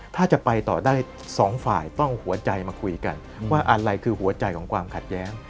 ถ้าจะไปต่อได้สองฝ่ายต้องหัวใจมาคุยกันว่าอะไรคือหัวใจของความขัดแย้ง